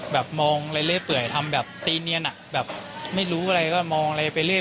แบบมองเรื่อยเปื่อยทำแบบตีเนียนอ่ะแบบไม่รู้อะไรก็มองเรื่อย